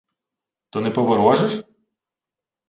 — То не поворожиш?